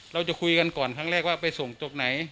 เราจะคุยกันก่อนครั้งแรกว่าไปส่งจบไหน